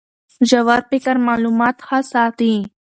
ژور فکر معلومات ښه ساتي.